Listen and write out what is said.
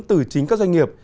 từ chính các doanh nghiệp